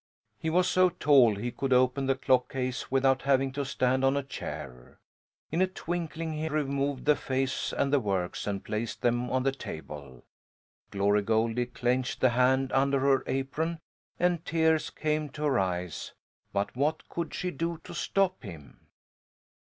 He was so tall he could open the clock case without having to stand on a chair. In a twinkling he removed the face and the works and placed them on the table. Glory Goldie clenched the hand under her apron, and tears came to her eyes; but what could she do to stop him?